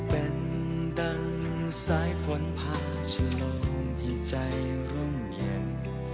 เป็นดังสายฝนพาฉลองให้ใจร่มเย็น